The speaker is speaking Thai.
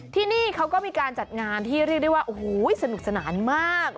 ที่นี่เขาก็มีการจัดงานที่เรียกได้ว่าโอ้โหสนุกสนานมาก